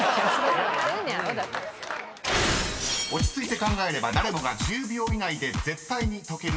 ［落ち着いて考えれば誰もが１０秒以内で絶対に解ける問題］